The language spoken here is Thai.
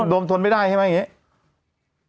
ดมทนไม่ได้ใช่ไหมอย่างนี้